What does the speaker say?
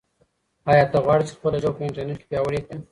آیا ته غواړې چې خپله ژبه په انټرنیټ کې پیاوړې کړې؟